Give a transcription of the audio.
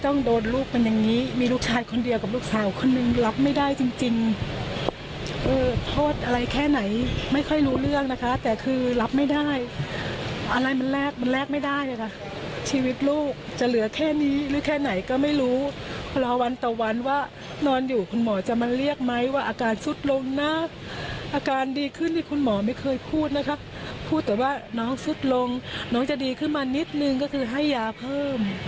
น้องจะดีขึ้นมานิดนึงก็คือให้ยาเพิ่ม